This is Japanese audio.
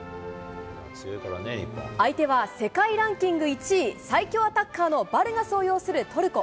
相手は世界ランキング１位、最強アタッカーのバルガスを擁するトルコ。